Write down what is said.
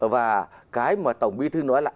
và cái mà tổng bí thư nói là